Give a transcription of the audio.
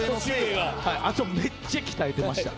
あとめっちゃ鍛えてました。